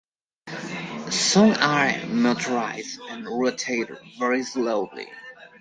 Some are motorized and rotate very slowly.